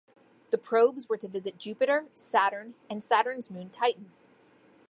The probes were to visit Jupiter, Saturn, and Saturn's moon Titan.